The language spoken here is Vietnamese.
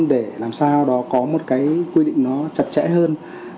để làm sao đó có một cái quy định nó chặt chẽ hơn